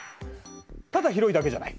ただ広いだけじゃない。